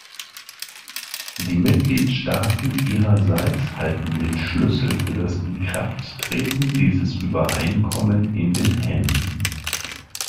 Die Mitgliedstaaten ihrerseits halten den Schlüssel für das Inkrafttreten dieses Übereinkommen in den Händen.